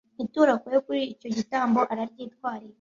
ituro akuye kuri icyo gitambo araryitwarira